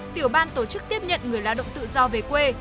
tiểu ban tổ chức tiếp nhận người lao động tự do về quê